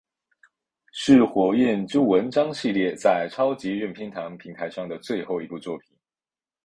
是火焰之纹章系列在超级任天堂平台上的最后一部作品。